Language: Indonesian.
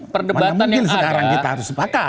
perdebatan yang ada